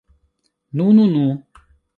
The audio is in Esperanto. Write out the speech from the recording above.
Nu, nu, nu!